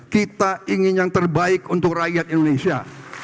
kita ingin yang terbaik untuk rakyat indonesia